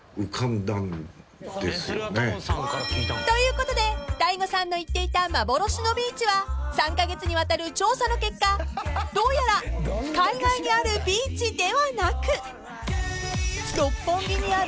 ［ということで大悟さんの言っていた幻のビーチは３カ月にわたる調査の結果どうやら海外にあるビーチではなく］